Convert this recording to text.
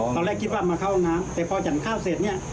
ตอนแรกคิดว่ามาเข้าห้องน้ำแต่พอหยั่นข้าวเสร็จเนี่ย